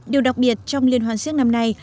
điều đặc biệt trong liên hoàn siếc năm nay